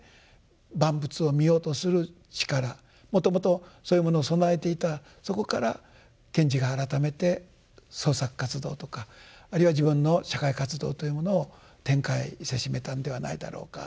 もともとそういうものを備えていたそこから賢治が改めて創作活動とかあるいは自分の社会活動というものを展開せしめたんではないだろうか。